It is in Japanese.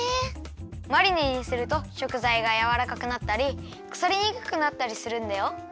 マリネにすると食材がやわらかくなったりくさりにくくなったりするんだよ。